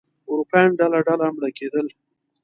اروپایان ډله ډله مړه کېدل.